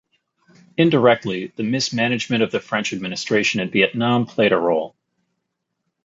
Indirectly, the mismanagement of the French administration in Vietnam played a role.